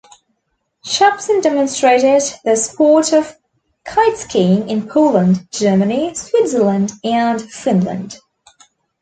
Shapson demonstrated the sport of 'kiteskiing' in Poland, Germany, Switzerland and Finland.